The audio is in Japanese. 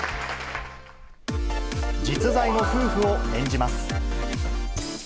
実在の夫婦を演じます。